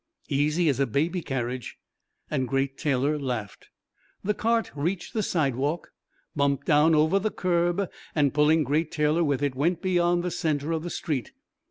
"Easy as a baby carriage!" And Great Taylor laughed. The cart reached the sidewalk, bumped down over the curb and pulling Great Taylor with it went beyond the centre of the street.